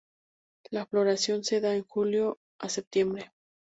La floración se da de julio a septiembre.